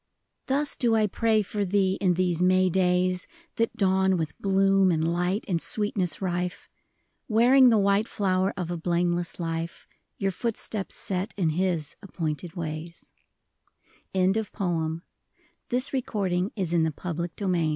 V. Thus do I pray for thee in these May days That dawn with bloom and light and sweetness rife ; Wearing the white flower of a blameless life, Your footsteps set in His appointed ways. </ 29 NEXT OCTOBER.